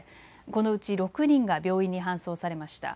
このうち６人が病院に搬送されました。